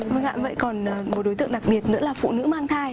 vâng ạ vậy còn một đối tượng đặc biệt nữa là phụ nữ mang thai